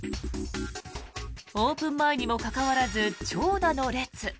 オープン前にもかかわらず長蛇の列。